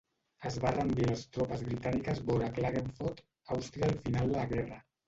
Es va rendir a les tropes britàniques vora Klagenfurt, Àustria al final de la guerra.